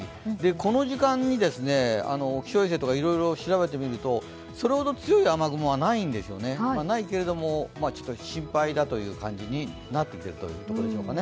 この時間に気象衛星とか、いろいろ調べてみるとそれほど強い雨雲はないけれどもちょっと心配だという感じになってきてるということでしょうかね。